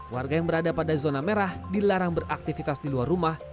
warga yang berada pada zona merah dilarang beraktivitas di luar rumah